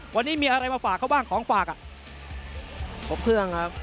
วันนี้มีอะไรมาฝากเขาบ้างของฝากอ่ะครบเครื่องครับ